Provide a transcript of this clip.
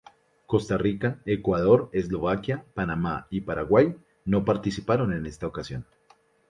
Costa Rica, Ecuador, Eslovaquia, Panamá y Paraguay no participaron en esta ocasión.